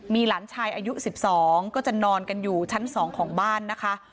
มีหลานชายอายุ๑๒ก็จะนอนกันอยู่ชั้น๒ของบ้านนะคะ